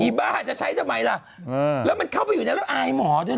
บ้าจะใช้ทำไมล่ะแล้วมันเข้าไปอยู่ในนั้นแล้วอายหมอด้วยนะ